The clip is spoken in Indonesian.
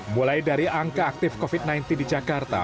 mulai dari angka aktif covid sembilan belas di jakarta